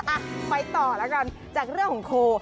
อ่ะไปต่อแล้วกันจากเรื่องของโค